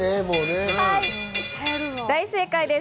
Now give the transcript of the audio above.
大正解です！